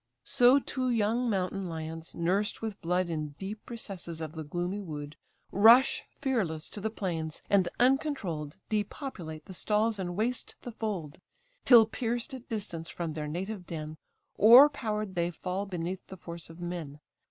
So two young mountain lions, nursed with blood In deep recesses of the gloomy wood, Rush fearless to the plains, and uncontroll'd Depopulate the stalls and waste the fold: Till pierced at distance from their native den, O'erpowered they fall beneath the force of men.